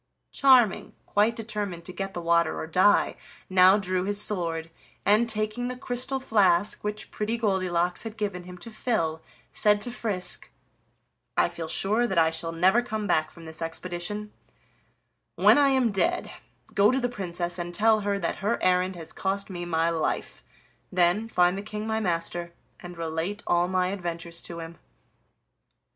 Charming, quite determined to get the water or die, now drew his sword, and, taking the crystal flask which Pretty Goldilocks had given him to fill, said to Frisk: "I feel sure that I shall never come back from this expedition; when I am dead, go to the Princess and tell her that her errand has cost me my life. Then find the King my master, and relate all my adventures to him."